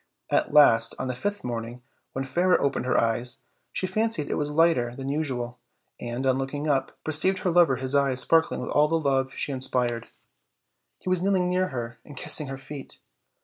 At last, on the fifth morning, when Fairer opened her eyes she fancied it was lighter than usual, and, on looking up, perceived her lover his eyes sparkling with all the love she inspired: he was kneeling near her and kissing her feet.